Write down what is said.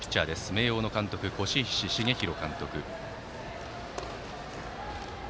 明桜の監督、輿石重弘監督。